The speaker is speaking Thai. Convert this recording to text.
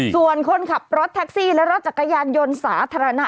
ส่วนคนขับรถแท็กซี่และรถจักรยานยนต์สาธารณะ